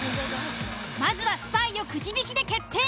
まずはスパイをくじ引きで決定！